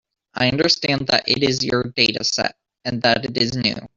I understand that it is your dataset, and that it is new.